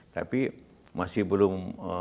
tapi masih belum